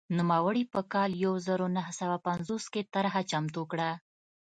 نوموړي په کال یو زر نهه سوه پنځوس کې طرحه چمتو کړه.